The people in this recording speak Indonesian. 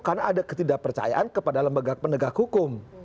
karena ada ketidakpercayaan kepada lembaga penegak hukum